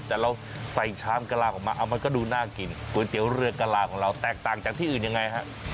แต่เราใส่ชามกะลาออกมาเอามันก็ดูน่ากินก๋วยเตี๋ยวเรือกะลาของเราแตกต่างจากที่อื่นยังไงฮะ